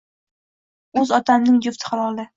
O`z otamning jufti haloli